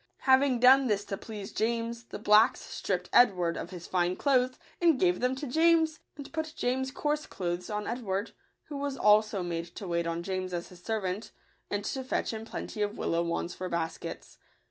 Having done this to please James, the blacks stripped Edward of his fine clothes, and gave them to James, and put James's coarse clothes on Edward, who was also made to wait on James as his servant, and to fetch him plenty of willow wands for baskets.